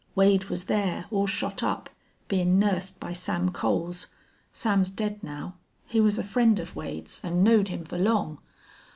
Wade was thar, all shot up, bein' nussed by Sam Coles. Sam's dead now. He was a friend of Wade's an' knowed him fer long.